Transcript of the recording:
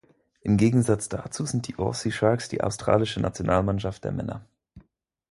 Im Gegensatz dazu sind die "Aussie Sharks" die australische Nationalmannschaft der Männer.